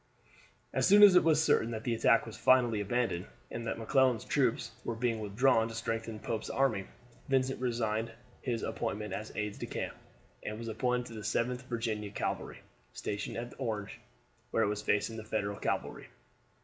As soon as it was certain that the attack was finally abandoned, and that McClellan's troops were being withdrawn to strengthen Pope's army, Vincent resigned his appointment as aide de camp, and was appointed to the 7th Virginian Cavalry, stationed at Orange, where it was facing the Federal cavalry.